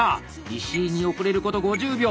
石井に遅れること５０秒！